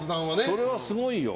それはすごいよ。